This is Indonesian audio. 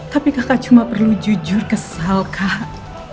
tapi kakak cuma perlu jujur kesal kak